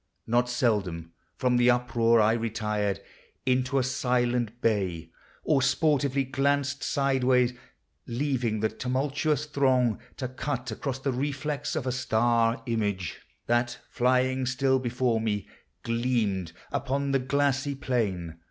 Not seldom from the uproar I retired Into a silent bay, or sportively Glanced sideway, leaving the tumultuous throng, To cut across the reflex of a star — Image, that, flying still before me, gleamed Upon the glassy plain.